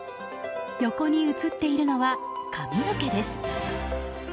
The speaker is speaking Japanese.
横に映っているのは髪の毛です。